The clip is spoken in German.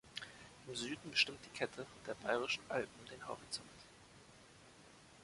Im Süden bestimmt die Kette der Bayerischen Alpen den Horizont.